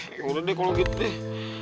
eh udah deh kalau gitu deh